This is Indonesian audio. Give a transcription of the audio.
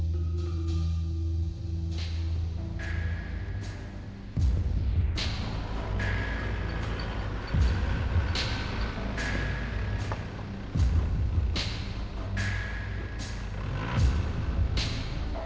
tidak aku akan mencari dia